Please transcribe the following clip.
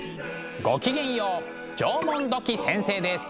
ごきげんよう縄文土器先生です。